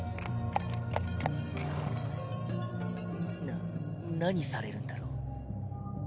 な何されるんだろう。